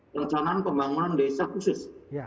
rencana pembangunan desa khusus